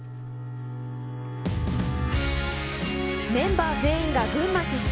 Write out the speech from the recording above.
メンバー全員が群馬出身。